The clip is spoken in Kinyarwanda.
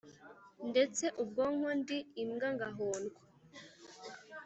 ndetse ubwongo ndi imbwa ngahondwa